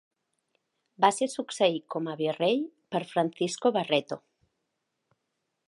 Va ser succeït com a virrei per Francisco Barreto.